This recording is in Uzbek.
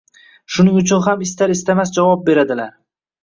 shuning uchun ham istar-istamas javob beradilar